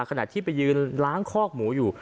ขณะที่ไปยืนล้างคอกหมูอยู่